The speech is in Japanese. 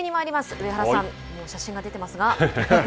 上原さん、もう写真が出てますが。